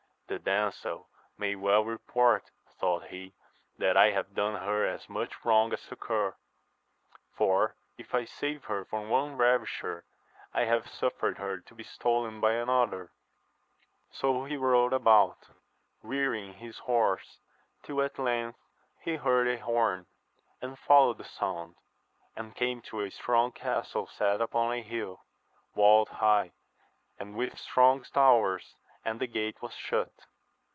The damsel may well report, thought he, that I have done her as much wrong as succour ; for, if I saved her from one ravisher, I have suffered her to be stolen by another. So he rode about, wearying his horse, till at length he heard a horn, and followed the sound, and came to a strong castle set upon a hill, walled high, and with strong towers, and the gate was shut.